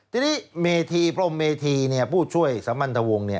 ทีนี้เมธีพระองค์เมธีเนี่ยผู้ช่วยสมรรถวงศ์เนี่ย